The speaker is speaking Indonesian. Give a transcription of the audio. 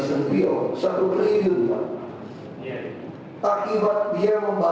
saya bilang kau ini mau mainin siapa ini